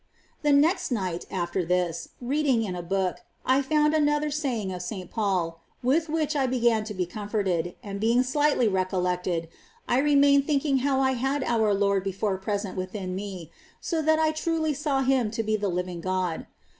22. The next night after this, reading in a book, I found another saying of S. Paul, with which I began to be comforted; and being slightly recollected, I remained thinking how I had our Lord before present within me, so that I truly saw Him to be the living God.